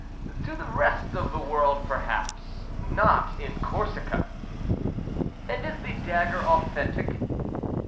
"To the rest of the world, perhaps not in Corsica." "And is the dagger authentic?"